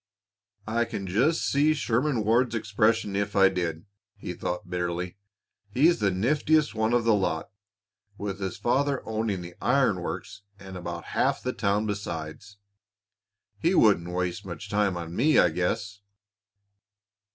"I can just see Sherman Ward's expression if I did!" he thought bitterly. "He's the niftiest one of the lot, with his father owning the iron works and about half the town besides. He wouldn't waste much time on me, I guess!"